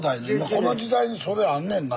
この時代にそれあんねんな